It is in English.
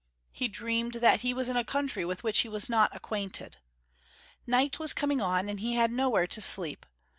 He dreamed that he was in a country with which he was not acquainted. Night was coming on, and he had nowhere to sleep.